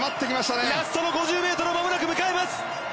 ラストの５０ｍをまもなく迎えます。